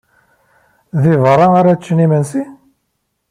Deg beṛṛa ara ččen imensi?